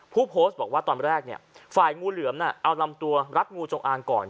ผู้โพสต์บอกว่าตอนแรกเนี่ยฝ่ายงูเหลือมเอาลำตัวรัดงูจงอางก่อน